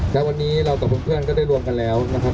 และวันนี้เรากับเพื่อนก็ได้รวมกันแล้วนะครับ